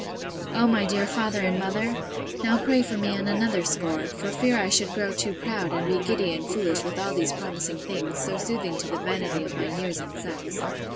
O my dear father and mother! now pray for me on another score; for fear I should grow too proud, and be giddy and foolish with all these promising things, so soothing to the vanity of my years and sex.